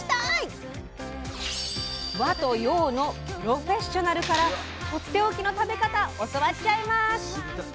和と洋のプロフェッショナルからとっておきの食べ方教わっちゃいます！